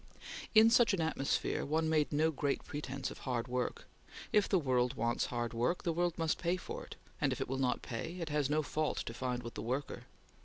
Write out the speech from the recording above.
In such an atmosphere, one made no great pretence of hard work. If the world wants hard work, the world must pay for it; and, if it will not pay, it has no fault to find with the worker.